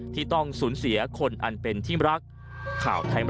ที่ต้องสูญเสียคนอันเป็นที่รัก